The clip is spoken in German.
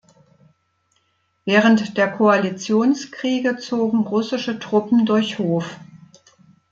Während der Koalitionskriege zogen russische Truppen durch Hof.